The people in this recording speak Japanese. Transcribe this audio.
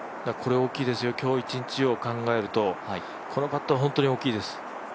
これ、大きいですよ今日一日を考えるとこのパットは本当に大きいです。